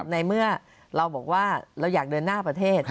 ในเมื่อเราบอกว่าเราอยากเดินหน้าประเทศ